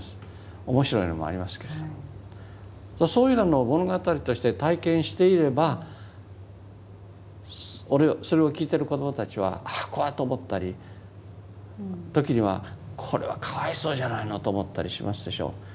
そういうのを物語として体験していればそれを聞いてる子どもたちはああ怖いと思ったり時にはこれはかわいそうじゃないのと思ったりしますでしょう。